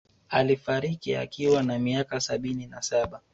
Alifariki akiwa na miaka sabini na saba